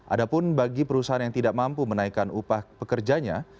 adapun bagi perusahaan yang tidak mampu menaikan upah pekerjanya